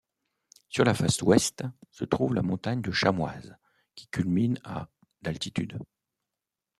Sur la face ouest se trouve la montagne de Chamoise qui culmine à d'altitude.